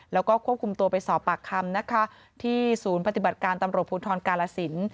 แล้วก็ควบคุมตัวไปสอบปากคำนะคะที่ศูนย์ปฏิบัติการตำรวจภูทรกาลสิน